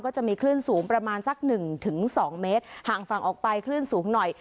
จะมีคลื่นสูงประมาณสักหนึ่งถึงสองเมตรห่างฝั่งออกไปคลื่นสูงหน่อย